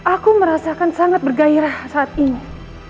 aku merasakan sangat bergairah saat ini